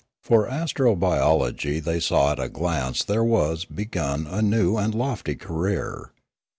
For astrobiology they saw at a glance there was begun a new and lofty career.